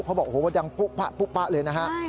เขาบอกว่าดังปุ๊บปะปุ๊บปะเลยนะครับ